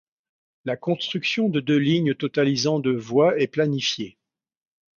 La construction de deux lignes totalisant de voies est planifiée.